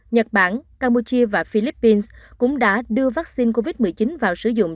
nhật bản campuchia và philippines cũng đã đưa vaccine covid một mươi chín vào sử dụng